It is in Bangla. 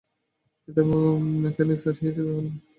এটা মেকানিকস আর হিট এর ব্যাপার না।